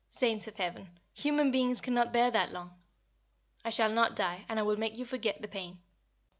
Saints of Heaven! human beings cannot bear that long. I shall not die, and I will make you forget the pain.